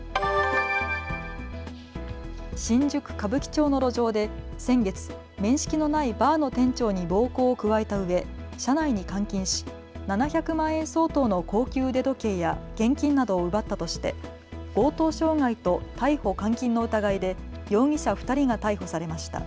新宿歌舞伎町の路上で先月、面識のないバーの店長に暴行を加えたうえ車内に監禁し７００万円相当の高級腕時計や現金などを奪ったとして強盗傷害と逮捕監禁の疑いで容疑者２人が逮捕されました。